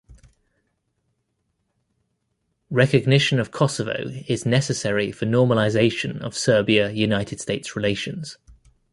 Recogniion of Kosovo is necessary for normailsation of Serbia–United States relations.